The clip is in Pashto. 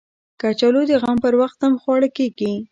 کچالو د غم پر وخت هم خواړه کېږي